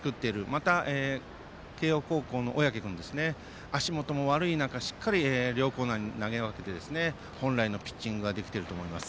また、慶応高校の小宅君は足元が悪い中しっかり両コーナー投げ分けて本来のピッチングができていると思います。